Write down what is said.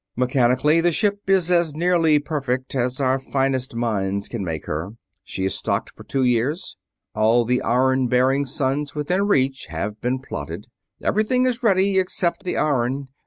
"Mechanically, the ship is as nearly perfect as our finest minds can make her. She is stocked for two years. All the iron bearing suns within reach have been plotted. Everything is ready except the iron.